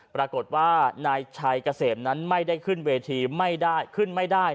ปรากฏว่านายชัยเกษมนั้นไม่ได้ขึ้นเวทีไม่ได้ขึ้นไม่ได้